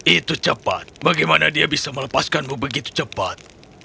itu cepat bagaimana dia bisa melepaskanmu begitu cepat